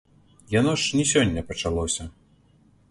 Яно ж не сёння пачалося.